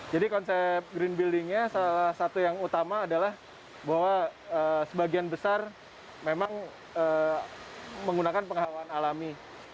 jadi konsep green buildingnya salah satu yang utama adalah bahwa sebagian besar memang menggunakan pengawalan alami